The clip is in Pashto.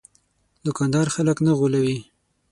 دوکاندار خلک نه غولوي.